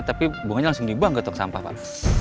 tapi bunganya langsung dibuang gak tau sampah pak